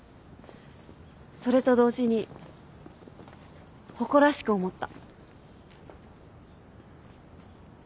それと同時に誇らしく思った。